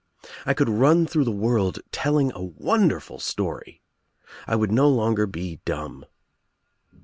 I could run through the world telling a wonderful story. I would no longer be dumb.